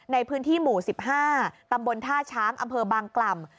ในพื้นที่หมู่๑๕ตำบลท่าช้างอำเภอบางกล่ำ